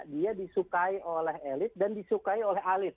dia disukai oleh elit dan disukai oleh elit